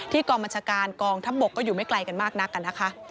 กองบัญชาการกองทัพบกก็อยู่ไม่ไกลกันมากนักกันนะคะ